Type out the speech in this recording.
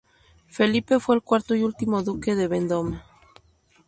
Felipe fue el cuarto y último duque de Vendôme.